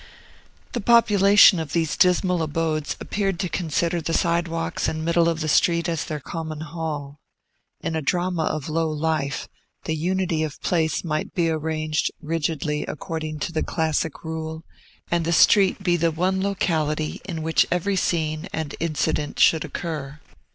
The population of these dismal abodes appeared to consider the sidewalks and middle of the street as their common hall. In a drama of low life, the unity of place might be arranged rigidly according to the classic rule, and the street be the one locality in which every scene and incident should occur.